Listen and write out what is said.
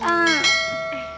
masuk dulu yuk